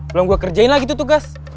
belum gue kerjain lagi tuh tugas